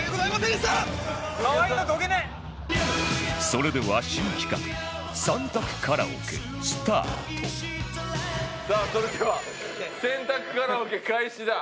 それでは新企画三択カラオケスタートさあそれでは三択カラオケ開始だ。